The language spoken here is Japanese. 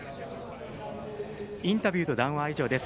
インタビューと談話は以上です。